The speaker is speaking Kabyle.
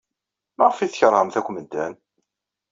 Maɣef ay tkeṛhemt akk medden?